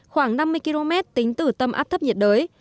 khoảng năm mươi km tính từ tâm áp thấp nhiệt đới